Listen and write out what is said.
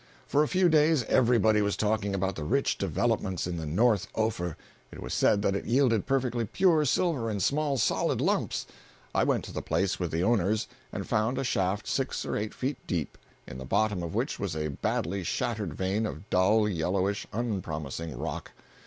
For a few days everybody was talking about the rich developments in the North Ophir. It was said that it yielded perfectly pure silver in small, solid lumps. I went to the place with the owners, and found a shaft six or eight feet deep, in the bottom of which was a badly shattered vein of dull, yellowish, unpromising rock.